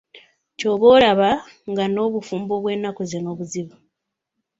Ky'ova olaba nga n'obufumbo bwe nnaku zino buzibu.